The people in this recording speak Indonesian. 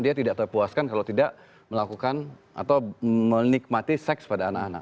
dia tidak terpuaskan kalau tidak melakukan atau menikmati seks pada anak anak